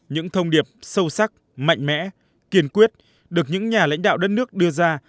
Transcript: những thông điệp sâu sắc mạnh mẽ kiên quyết được những nhà lãnh đạo đất nước đưa ra